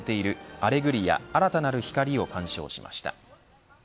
アレグリア、新たなる光を鑑賞しました。